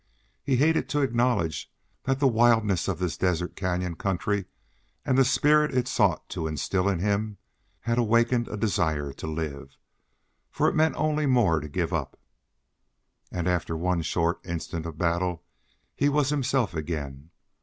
He hated to acknowledge that the wildness of this desert canyon country, and the spirit it sought to instil in him, had wakened a desire to live. For it meant only more to give up. And after one short instant of battle he was himself again.